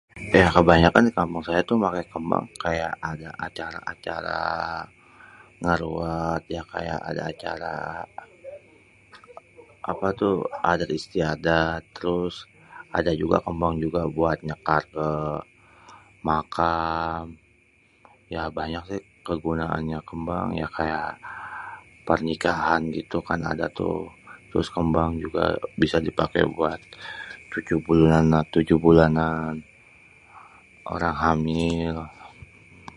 Ya kebanyakan di kampung saya tuh maké kémbang kaya ada acara-acara, ngêruwêt kaya yang ada acara-acara, apatuh adat istiadat, trus ada juga kémbang buat nyêkar ke makam ya banyak déh kegunaannya kémbang ya kaya, pernikahan ya itukan ada gitu, trus kémbang juga ada bisa dipaké, buat 7 bulanan, orang hamil.